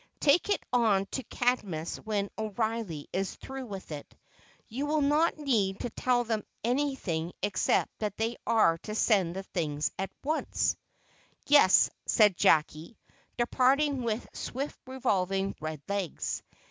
"Take it on to Cadmus when O'Reilly is through with it. You will not need to tell them anything except that they are to send the things at once." "Yes," said Jacky, departing with swift revolving red legs.